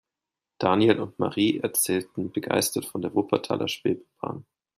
Daniel und Marie erzählten begeistert von der Wuppertaler Schwebebahn.